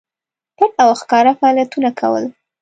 پټ او ښکاره فعالیتونه کول.